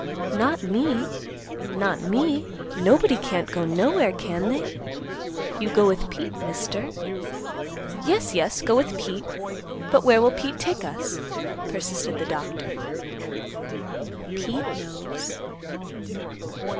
"Not me; not me; nobody can't go nowhere, can they? You go with Pete, Mister." "Yes, yes; go with Pete; but where will Pete take us?" persisted the Doctor. "Pete knows."